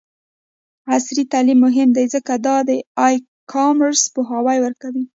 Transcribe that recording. عصري تعلیم مهم دی ځکه چې د ای کامرس پوهاوی ورکوي.